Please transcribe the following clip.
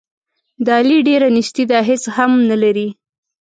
د علي ډېره نیستي ده، هېڅ هم نه لري.